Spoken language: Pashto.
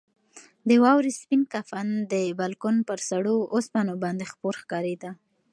د واورې سپین کفن د بالکن پر سړو اوسپنو باندې خپور ښکارېده.